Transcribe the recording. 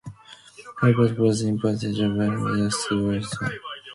Hubert was invited and asked to write soundtracks for movies and television shows.